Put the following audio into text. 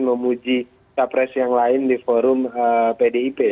memuji capres yang lain di forum pdip